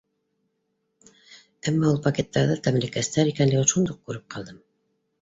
Әммә ул пакеттарҙа тәмлекәстәр икәнлеген шундуҡ күреп ҡалдым.